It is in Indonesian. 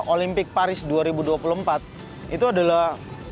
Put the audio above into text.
olimpik paris dua ribu dua puluh empat itu adalah